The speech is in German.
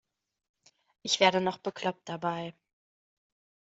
Ich werde noch bekloppt dabei.